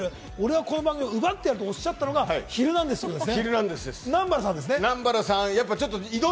俺はこの番組を奪ってやるというのが『ヒルナンデス！』なんですね。